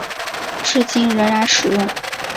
至今仍然使用。